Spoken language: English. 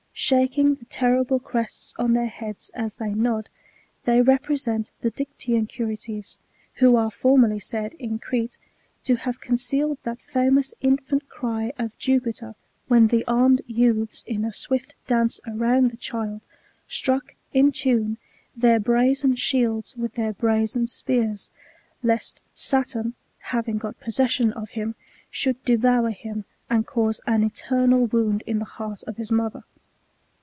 Shaking the terrible crests on their heads as they nod, they represent the Dictaean Curetes, who are formerly said, in Crete, to have concealed that famous infant cry of Jup^er, when the armed youths, in a swift dance around the child, struck, in tune, their brazen shields with their brazen spears, lest Saturn, having got possession of him, should devour him, and cause an eternal wound in the heart of his mother.